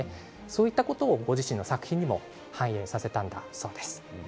そういったことをご自身の作品にも反映させたんだそうです。